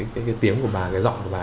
cái tiếng của bà cái giọng của bà